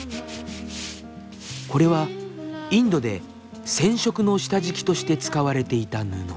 これはインドで染色の下敷きとして使われていた布。